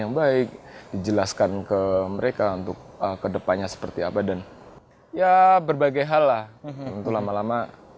yang baik dijelaskan ke mereka untuk kedepannya seperti apa dan ya berbagai hal lah untuk lama lama